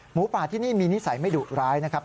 หมูป่าที่นี่มีนิสัยไม่ดุร้ายนะครับ